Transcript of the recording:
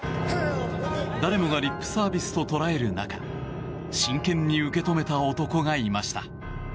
誰もがリップサービスと捉える中真剣に受け止めた男がいました。